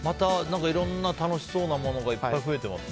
いろんな楽しそうなものがいっぱい増えてますね。